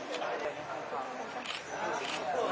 สัตว์